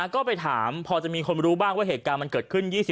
ก็ไปถามพอจะมีคนรู้บ้างว่าเหตุการณ์มันเกิดขึ้น